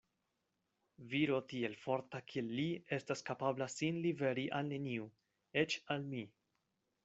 Viro tiel forta kiel li estas kapabla sin liveri al neniu, eĉ al mi.